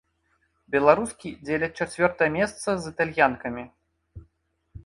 Беларускі дзеляць чацвёртае месца з італьянкамі.